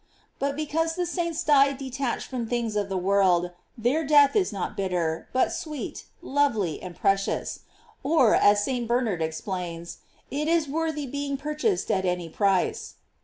"* But because the saints die detached from the things of the world, their death is not bitter, but sweet, lovely, and pre cious; or, as St. Bernard explains, it is worthy being purchased at any price.